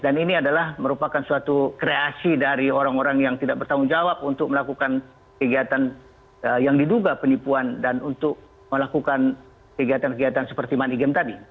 dan ini adalah merupakan suatu kreasi dari orang orang yang tidak bertanggung jawab untuk melakukan kegiatan yang diduga penipuan dan untuk melakukan kegiatan kegiatan seperti money game tadi